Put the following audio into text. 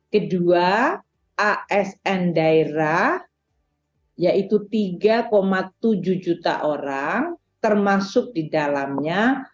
kedua asn daerah yaitu tiga tujuh juta orang termasuk di dalamnya